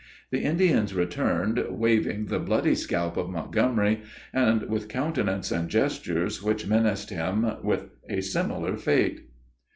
The Indians returned, waving the bloody scalp of Montgomery, and with countenances and gestures which menaced him with a similar fate.